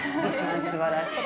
すばらしい。